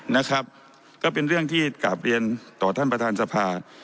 นะครับก็เป็นเรื่องที่กลับเรียนต่อท่านประธานสภา